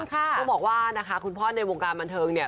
ต้องบอกว่านะคะคุณพ่อในวงการบันเทิงเนี่ย